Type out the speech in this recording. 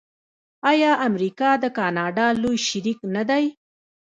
آیا امریکا د کاناډا لوی شریک نه دی؟